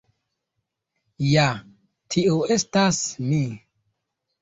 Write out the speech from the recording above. Ja, tiu estas mi.